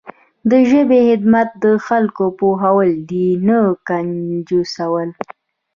د ژبې خدمت د خلکو پوهول دي نه ګنګسول.